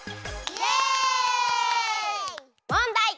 もんだい！